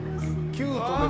キュートだ。